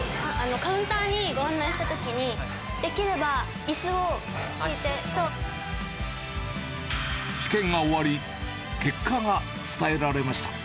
カウンターにご案内したときに、試験が終わり、結果が伝えられました。